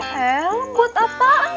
helm buat apaan